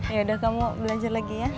yaudah kamu belajar lagi ya